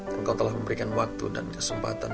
engkau telah memberikan waktu dan kesempatan